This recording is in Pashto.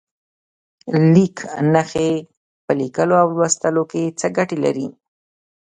لیک نښې په لیکلو او لوستلو کې څه ګټه لري؟